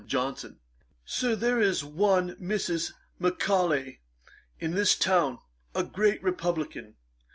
Johnson. Sir, there is one Mrs. Macaulay in this town, a great republican.